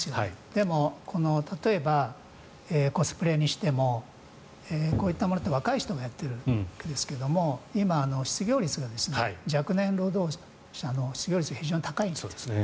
でも、例えばコスプレにしてもこういったものって若い人がやっているわけですけど今、失業率が若年労働者の失業率が非常に高いんです。